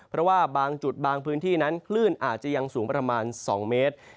เพราะว่าบางจุดบางพื้นที่นั้นคลื่นอาจจะยังสูงประมาณ๒เมตร